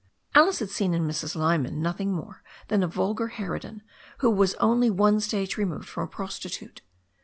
Alice had seen in Mrs. Lyman nothing more than a vulgar harridan who was only one stage re moved from a prostitute.